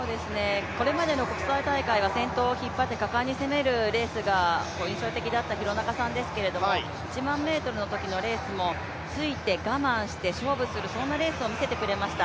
これまでの国際大会は先頭を引っ張って、果敢に攻めるレースが印象的だった廣中さんですけれども、１００００ｍのときのレースもついて、我慢して、勝負するそんなレースを見せてくれました。